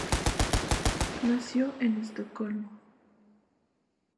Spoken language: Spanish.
Nació en Estocolmo.